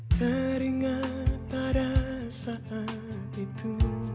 teringat pada saat itu